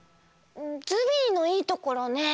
ズビーのいいところねぇ。